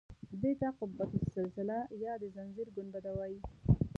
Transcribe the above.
دې ته قبة السلسله یا د زنځیر ګنبده وایي.